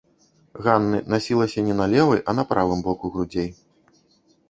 Ганны насілася не на левай, а на правым боку грудзей.